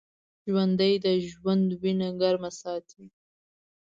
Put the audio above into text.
ژوندي د ژوند وینه ګرمه ساتي